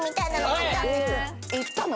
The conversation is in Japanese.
行ったの？